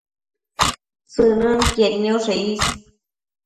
tsënënquied nioshe is